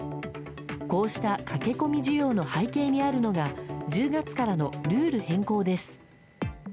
こうした駆け込み需要の背景にあるのが１０月からのルール変更です。